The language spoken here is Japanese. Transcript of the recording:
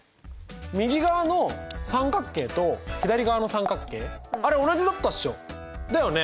右側の三角形と左側の三角形あれ同じだったっしょ。だよね？